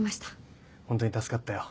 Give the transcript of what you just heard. ホントに助かったよ。